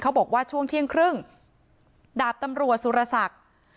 บอกว่าช่วงเที่ยงครึ่งดาบตำรวจสุรศักดิ์